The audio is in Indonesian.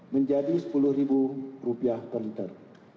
menjadi rp sepuluh per liter